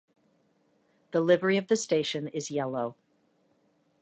The livery of the station is yellow.